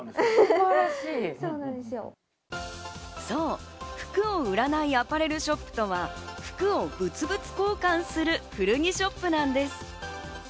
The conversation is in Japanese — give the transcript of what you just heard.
そう、服を売らないアパレルショップとは、服を物々交換する古着ショップなんです。